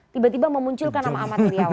tiba tiba memunculkan nama amat heriawan